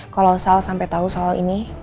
tante gak sampai tau soal ini